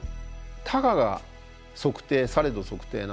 たかが測定されど測定なんですよね。